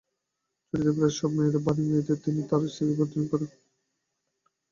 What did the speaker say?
ছুটিতে প্রায় সব মেয়েই বাড়ি যাইতেছে, তিনি তাঁর স্ত্রীকে বোর্ডিঙে রাখিবার বন্দোবস্ত করিয়াছেন।